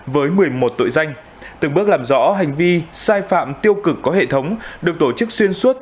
với một mươi một tội danh từng bước làm rõ hành vi sai phạm tiêu cực có hệ thống được tổ chức xuyên suốt